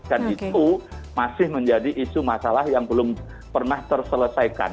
dan itu masih menjadi isu masalah yang belum pernah terselesaikan